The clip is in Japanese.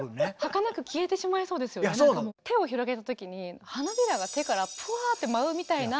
手を広げたときに花びらが手からプワって舞うみたいな。